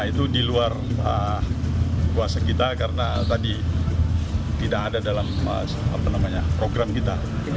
itu di luar kuasa kita karena tadi tidak ada dalam program kita